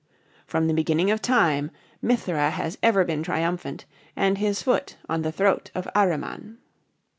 From before the beginning of Time Mithra has ever been triumphant and his foot on the throat of Ahriman.